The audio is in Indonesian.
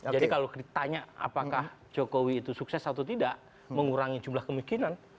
jadi kalau ditanya apakah jokowi itu sukses atau tidak mengurangi jumlah kemungkinan